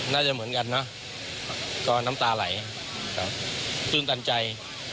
น่าจะเหมือนกันเนอะก็น้ำตาไหลตื่นตันใจ